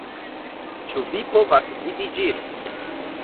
Ĉu vi povas vidi ĝin?